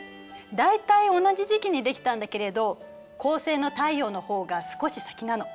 大体同じ時期にできたんだけれど恒星の太陽の方が少し先なの。